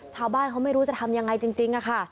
ชาวบ้านเขาไม่รู้จะทำยังไงจริงค่ะ